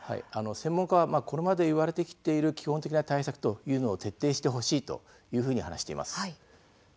専門家はこれまで言われてきている、基本的な対策というのを徹底してほしいというふうに話しています。